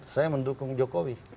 saya mendukung jokowi